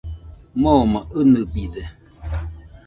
Moma inɨbide.